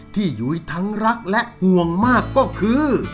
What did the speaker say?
หยุ้ยทั้งรักและห่วงมากก็คือ